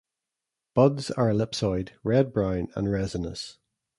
Buds are ellipsoid, red-brown, and resinous.